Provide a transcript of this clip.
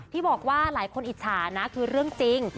ที่บอกว่าหลายคนอิจฉานะคือเรื่องจริง